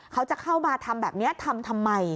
เขาจะเข้ามาทำแบบนี้ทำทำไม